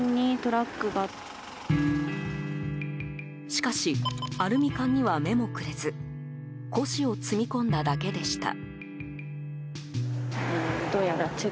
しかしアルミ缶には目もくれず古紙を積み込んだだけでした。